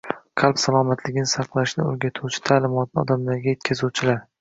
Qalb salomatligini saqlashni o‘rgatuvchi ta’limotni odamlarga yetkazuvchilar